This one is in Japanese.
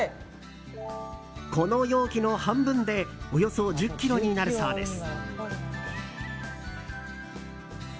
この容器の半分でおよそ１０ｋｇになるそうです。